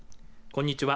こんにちは。